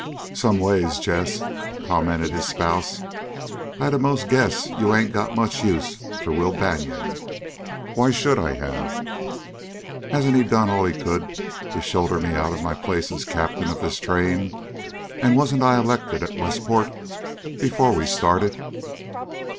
"Some ways, Jess," commented his spouse, "I'd a'most guess you ain't got much use for Will Banion." "Why should I have? Hasn't he done all he could to shoulder me out of my place as captain of this train? And wasn't I elected at Westport before we started?"